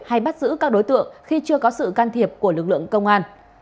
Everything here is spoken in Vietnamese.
hay bắt giữ các đối tượng khi chưa có sự can thiệp của lực lượng công an